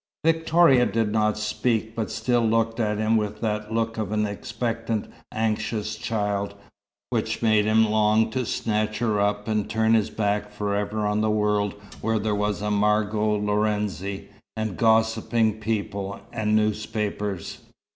Victoria did not speak, but still looked at him with that look of an expectant, anxious child, which made him long to snatch her up and turn his back forever on the world where there was a Margot Lorenzi, and gossiping people, and newspapers.